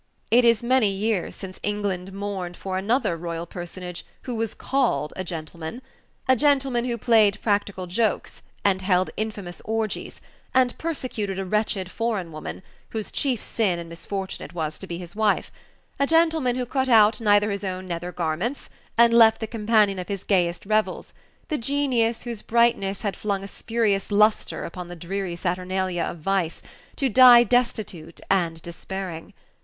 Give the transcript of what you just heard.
It is many years since England mourned for another royal personage who was called a "gentleman" a gentleman who played practical jokes, and held infamous orgies, and persecuted a wretched foreign woman, whose chief sin and misfortune it was to be his wife a gentleman who cut out his own nether garments, and left the companion of his gayest revels, the genius whose brightness had flung a spurious lustre upon the dreary saturnalia of vice, to die destitute and despairing.